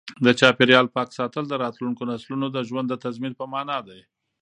د چاپیریال پاک ساتل د راتلونکو نسلونو د ژوند د تضمین په مانا دی.